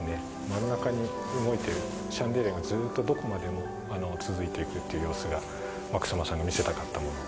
真ん中に動いてるシャンデリアがずーっとどこまでも続いていくっていう様子が草間さんが見せたかったもの。